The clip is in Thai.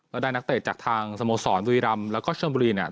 แล้วได้นักเตะจากทางสโมสรบุรีรำแล้วก็ชมบุรีเนี่ย